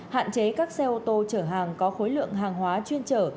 hạn chế các xe ô tô chở hàng có khối lượng hàng hóa chuyên trở